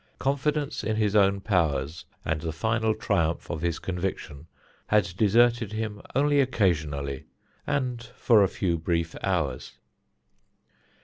Confidence in his own powers and the final triumph of his conviction had deserted him only occasionally, and for a few brief hours.